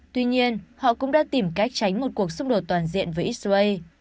tuy nhiên họ cũng đã tìm cách tránh một cuộc xung đột toàn diện với israel